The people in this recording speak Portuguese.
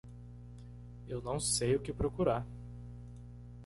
Eu não sei o que procurar.